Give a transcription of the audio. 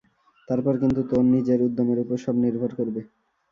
তারপর কিন্তু তোর নিজের উদ্যমের উপর সব নির্ভর করবে।